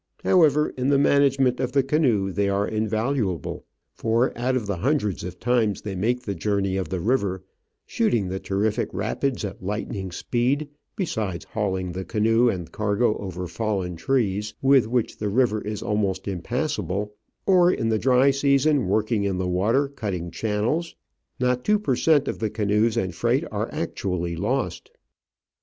However, in the management of the canoe they are invaluable, for out of the hundreds of times ihey make the journey of the river, shooting the terrific rapids at lightning speed, besides hauling the canoe and cargo over fallen trees, with which the river is almost impassable, or in the dry season working in the water cutting channels, not two per cent, of the canoes and freight are actually lost.